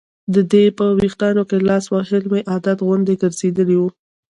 د دې په ویښتانو کې لاس وهل مې عادت غوندې ګرځېدلی و.